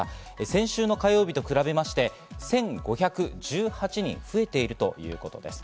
先週の火曜日と比べまして１５１８人増えているということです。